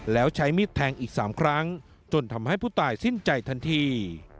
แล้วใช้มีดแทงอีก๓ครั้งจนทำให้ผู้ตายสิ้นใจทันที